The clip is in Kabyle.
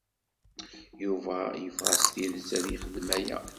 Yuba yebɣa s tidet ad yexdem aya.